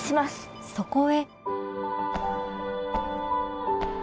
そこへ